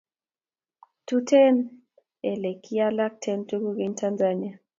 Tuten ele kiyaklen tukul en Tanzania